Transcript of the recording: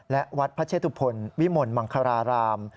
และวัดพระเชตุพลวิมลมังคาราราม